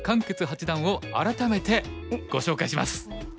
傑八段を改めてご紹介します。